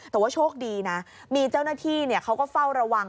แต่ว่าโชคดีนะมีเจ้าหน้าที่เขาก็เฝ้าระวัง